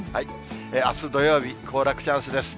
あす土曜日、行楽チャンスです。